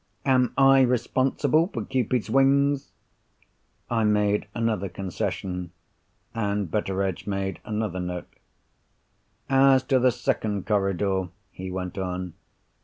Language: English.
Am I responsible for Cupid's wing?" I made another concession, and Betteredge made another note. "As to the second corridor," he went on.